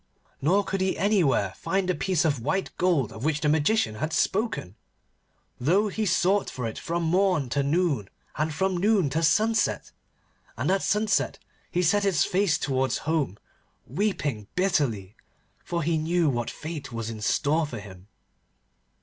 Nor could he anywhere find the piece of white gold of which the Magician had spoken, though he sought for it from morn to noon, and from noon to sunset. And at sunset he set his face towards home, weeping bitterly, for he knew what fate was in store for him.